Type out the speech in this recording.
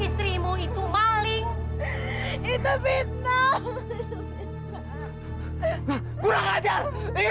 istrimu itu maling itu fitnah kurang ajar